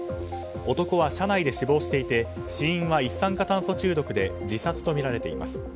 男は車内で死亡していて死因は一酸化炭素中毒で自殺とみられています。